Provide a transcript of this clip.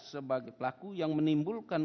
sebagai pelaku yang menimbulkan